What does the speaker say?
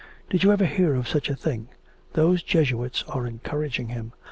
Did you ever hear of such a thing? Those Jesuits are encouraging him.